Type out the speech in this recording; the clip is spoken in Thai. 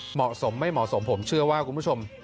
เหมาะสมไม่เหมาะสมผมเชื่อว่าคุณผู้ชม